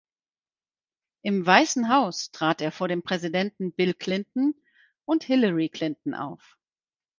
Im Weißen Haus trat er vor dem Präsidenten Bill Clinton und Hillary Clinton auf.